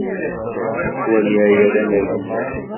Tettwali aya d amagnu.